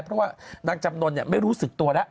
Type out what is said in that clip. เพราะว่านางจำนวนไม่รู้สึกตัวแล้ว